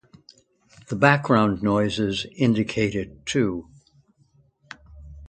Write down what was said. The background noises indicate it, too.